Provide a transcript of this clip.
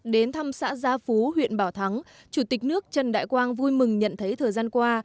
đến thăm xã gia phú huyện bảo thắng chủ tịch nước trần đại quang vui mừng nhận thấy thời gian qua